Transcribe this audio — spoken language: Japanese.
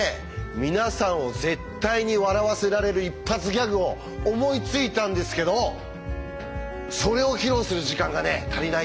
皆さんを絶対に笑わせられる一発ギャグを思いついたんですけどそれを披露する時間がね足りない。